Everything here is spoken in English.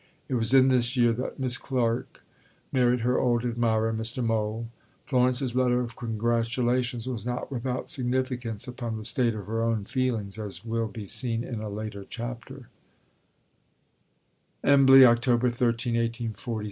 It was in this year that Miss Clarke married her old admirer, M. Mohl. Florence's letter of congratulation was not without significance upon the state of her own feelings, as will be seen in a later chapter: EMBLEY, October 13 .